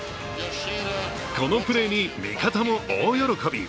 このプレーに味方も大喜び。